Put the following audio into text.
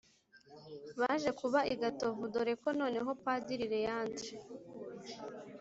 baje kuba i gatovu dore ko noneho padiri leandre